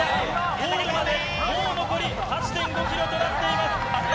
ゴールまでもう残り８．５キロとなっています。